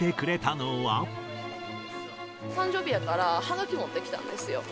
誕生日やからはがきを持ってきたんですよ。